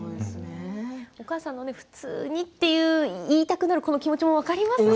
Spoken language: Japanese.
お母さんの普通と言いたくなる気持ちも分かりますよね。